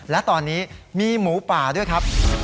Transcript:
และตอนนี้มีหมูป่าด้วยครับ